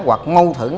hoặc mâu thuẫn